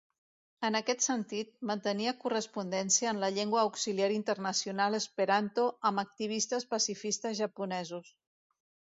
En aquest sentit, mantenia correspondència en la llengua auxiliar internacional esperanto amb activistes pacifistes japonesos.